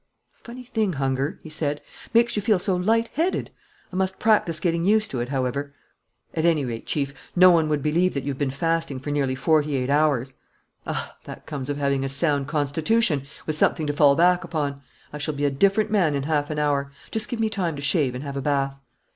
"Funny thing, hunger!" he said. "Makes you feel so light headed. I must practise getting used to it, however." "At any rate, Chief, no one would believe that you have been fasting for nearly forty eight hours." "Ah, that comes of having a sound constitution, with something to fall back upon! I shall be a different man in half an hour. Just give me time to shave and have a bath."